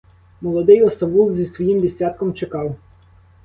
Молодий осавул зі своїм десятком чекав.